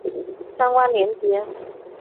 相关连结